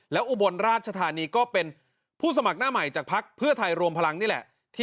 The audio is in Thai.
แล้วอุบลราชธานีก็เป็นผู้สมัครหน้าใหม่จากภักดิ์เพื่อไทยรวมพลังนี่แหละ